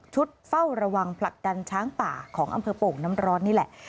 เฝ้าระวังผลักดันช้างป่าของอำเภอโป่งน้ำร้อนนี่แหละ